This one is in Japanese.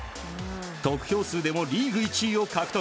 得票数でもリーグ１位を獲得。